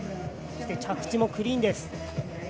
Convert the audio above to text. そして着地もクリーンです。